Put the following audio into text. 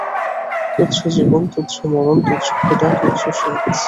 তুচ্ছ জীবন, তুচ্ছ মরণ, তুচ্ছ ক্ষুধা, তুচ্ছ শীত।